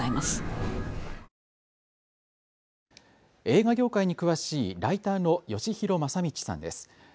映画業界に詳しいライターのよしひろまさみちさんです。